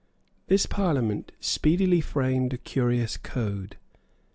This Parliament speedily framed a curious code.